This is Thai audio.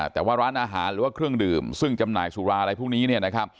แต่ว่าร้านอาหารหรือว่าเครื่องดื่มซึ่งจำหน่ายสุราอะไรพวกนี้